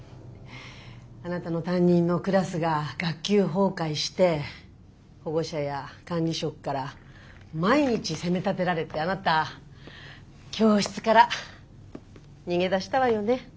あなたの担任のクラスが学級崩壊して保護者や管理職から毎日責めたてられてあなた教室から逃げ出したわよね。